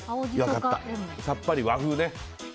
さっぱり和風ね。